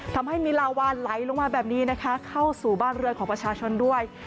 ทำให้มีลาวานไหลลงมาแบบนี้นะคะเข้าสู่บ้านเรือนของประชาชนด้วย